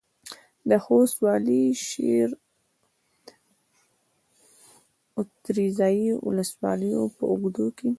د خوست والي د شېر او تریزایي ولسوالیو په اوږدو کې